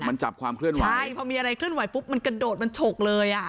มันจับความเคลื่อนไหวใช่พอมีอะไรเคลื่อนไหวปุ๊บมันกระโดดมันฉกเลยอ่ะ